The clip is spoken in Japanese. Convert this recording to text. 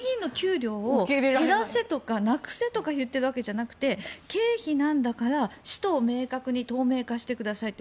国会議員の給料を減らせとかなくせとか言っているわけじゃなくて経費なんだから使途を明確にしてくださいと。